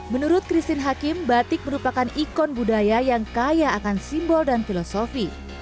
menurut christine hakim batik merupakan ikon budaya yang kaya akan simbol dan filosofi